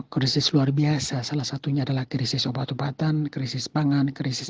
krisis luar biasa salah satunya adalah krisis obat obatan krisis pangan krisis